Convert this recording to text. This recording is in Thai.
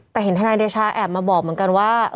แต่เห็นทนายเดชาแอบมาบอกเหมือนกันว่า